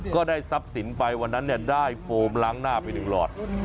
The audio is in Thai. ก็ได้ทรัพย์สินไปวันนั้นเนี่ยได้โฟมล้างหน้าไป๑หลอด